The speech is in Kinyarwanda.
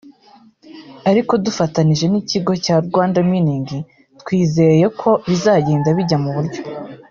ariko dufatanyije n’Ikigo cya ‘Rwanda Mining’ twizeye ko bizagenda bijya mu buryo